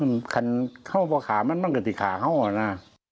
มันเข้าพอขามันบ้างกับสิ่งขาเข้าออกนะ